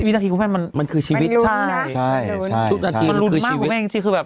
๑วิถังที่คุณแม่มันคือชีวิต